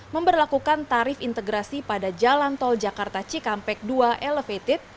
memperlakukan tarif integrasi pada jalan tol jakarta cikampek dua elevated